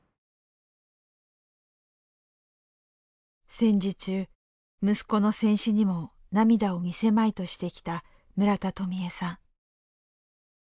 戦時中息子の戦死にも涙を見せまいとしてきた村田とみゑさん。